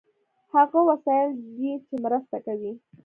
هغه وسایل دي چې مرسته کوي.